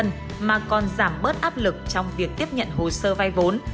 nông dân mà còn giảm bớt áp lực trong việc tiếp nhận hồ sơ vay vốn